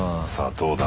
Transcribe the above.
どうだ？